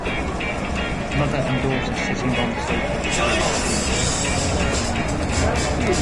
Mother and daughter sitting on sofa with shoes off.